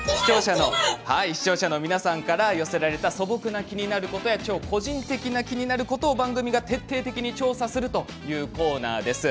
視聴者の皆さんから寄せられた素朴な気になることや超個人的な気になることを番組が徹底的に調査するというコーナーです。